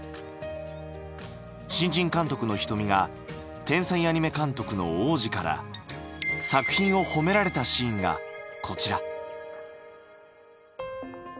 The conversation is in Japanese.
新人監督の瞳が天才アニメ監督の王子から作品を褒められたシーンがこちら。